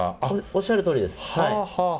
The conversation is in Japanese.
おっしゃるとおりです。